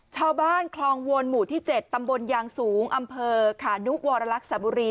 ชาวบ้านคลองวนหมู่ที่๗ตำบลยางสูงอำเภอขานุวรรลักษบุรี